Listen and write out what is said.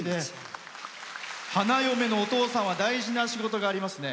花嫁のお父さんは大事な仕事がありますね。